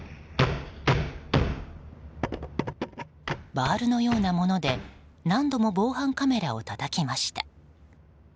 バールのようなもので何度も防犯カメラをたたきました。